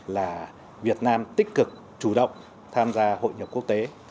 là việt nam tích cực chủ động tham gia hội nhập quốc tế